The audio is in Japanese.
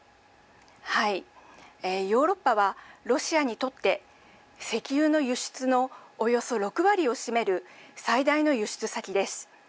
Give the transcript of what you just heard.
ヨーロッパはロシアにとって石油の輸出のおよそ６割を占める最大の輸出先です。